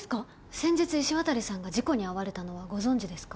先日石渡さんが事故に遭われたのはご存じですか？